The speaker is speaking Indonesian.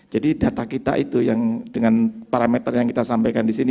jadi data kita itu dengan parameter yang kita sampaikan di sini